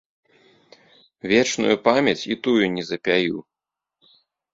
Вечную памяць і тую не запяю.